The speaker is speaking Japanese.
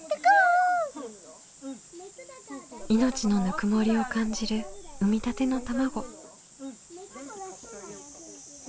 命のぬくもりを感じる産みたての卵。